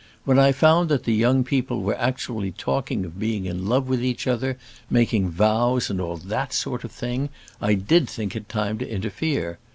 When I found that the young people were actually talking of being in love with each other, making vows and all that sort of thing, I did think it time to interfere.